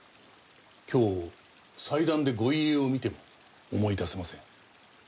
今日祭壇でご遺影を見ても思い出せません。